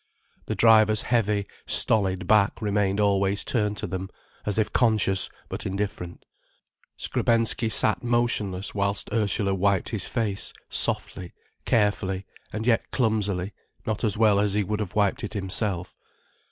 The driver's heavy, stolid back remained always turned to them, as if conscious but indifferent. Skrebensky sat motionless whilst Ursula wiped his face, softly, carefully, and yet clumsily, not as well as he would have wiped it himself.